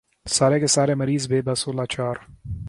سارے کے سارے مریض بے بس و لاچار۔